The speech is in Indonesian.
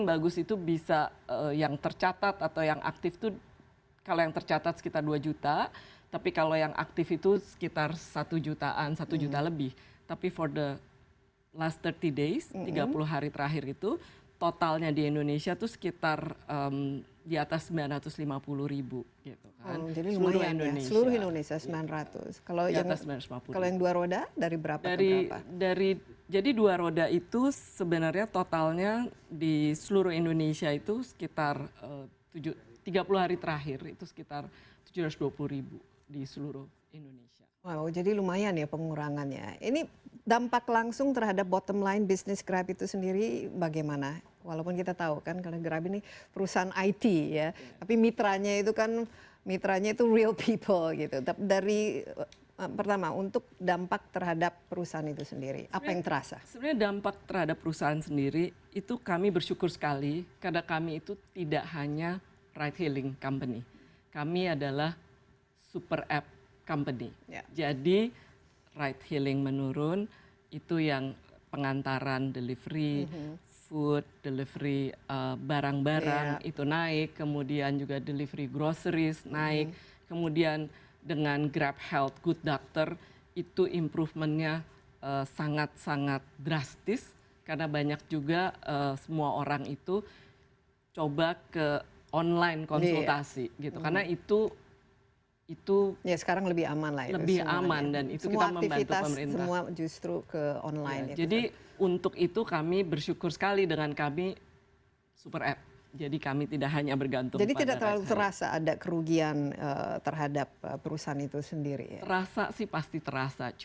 bukan seperti misalnya perusahaan taksi atau perusahaan yang memiliki operation